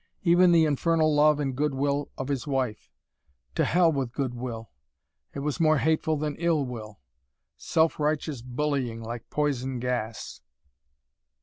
Even the infernal love and good will of his wife. To hell with good will! It was more hateful than ill will. Self righteous bullying, like poison gas!